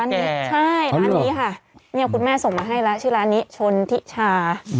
นี่คุณแม่ส่งมาให้แล้วชื่อร้านนี้ชนทิชา